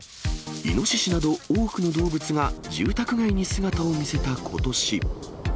イノシシなど多くの動物が住宅街に姿を見せたことし。